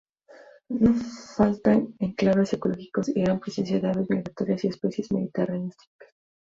No faltan enclaves ecológicos y gran presencia de aves migratorias y especies mediterráneas típicas.